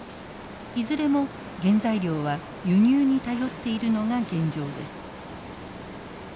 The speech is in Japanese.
いずれも原材料は輸入に頼っているのが現状です。